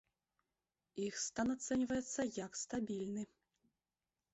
Іх стан ацэньваецца, як стабільны.